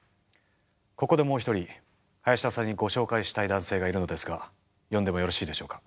ここでもう一人林田さんにご紹介したい男性がいるのですが呼んでもよろしいでしょうか？